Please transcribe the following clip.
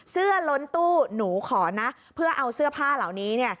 ล้นตู้หนูขอนะเพื่อเอาเสื้อผ้าเหล่านี้